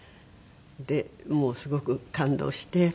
でもうすごく感動して。